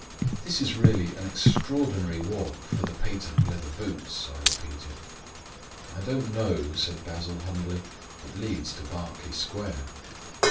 "This is really an extraordinary walk for the patent leather boots," I repeated. "I don't know," said Basil humbly. "It leads to Berkeley Square."